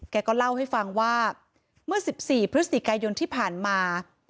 แกก็เล่าให้ฟังว่าเมื่อ๑๔พฤศจิกายนที่ผ่านมา